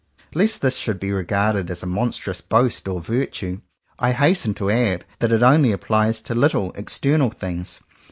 Lest this should be regarded as a monstrous boast of virtue, I hasten to add that it only applies to little external things.